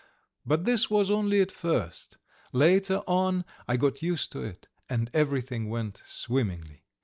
But this was only at first; later on I got used to it, and everything went swimmingly.